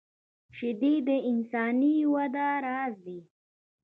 شیدې د انساني وده راز دي